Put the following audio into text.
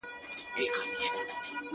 سره جمع وي په کور کي د خپلوانو،